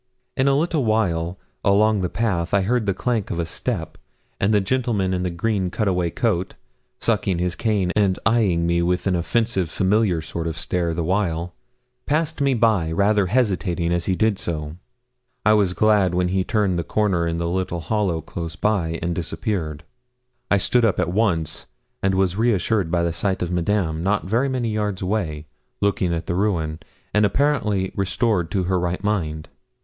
In a little while, along the path, I heard the clank of a step, and the gentleman in the green cutaway coat, sucking his cane, and eyeing me with an offensive familiar sort of stare the while, passed me by, rather hesitating as he did so. I was glad when he turned the corner in the little hollow close by, and disappeared. I stood up at once, and was reassured by a sight of Madame, not very many yards away, looking at the ruin, and apparently restored to her right mind.